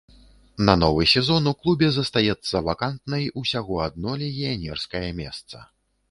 На новы сезон у клубе застаецца вакантнай усяго адно легіянерскае месца.